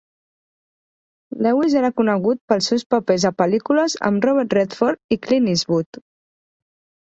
Lewis era conegut pels seus papers a pel·lícules amb Robert Redford i Clint Eastwood.